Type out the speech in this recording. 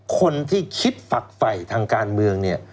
คนที่คิดฝักไฟทางการเมือง